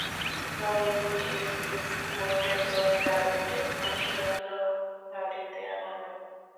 পরে দুটি স্পিড বোটে করে তাঁদের টেকনাফ সীমান্ত ফাঁড়িতে আনা হয়।